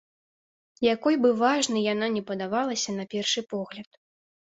Якой бы важнай яна ні падавалася на першы погляд.